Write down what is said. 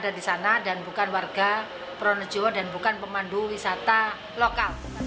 ada di sana dan bukan warga pronojiwo dan bukan pemandu wisata lokal